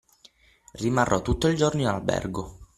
Rimarrò tutto il giorno in albergo.